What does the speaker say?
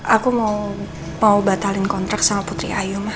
aku mau batalin kontrak sama putri ayu